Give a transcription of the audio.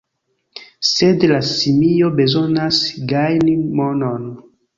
Sed la simio bezonas gajni monon.